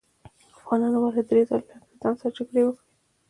افغانانو ولې درې ځلې له انګریزانو سره جګړې وکړې؟